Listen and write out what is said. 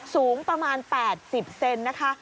สูงประมาณ๘๐เซนนะคะ